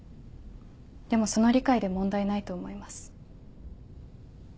でもその理解で問題ないと思います。